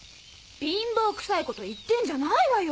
貧乏くさいこといってんじゃないわよ！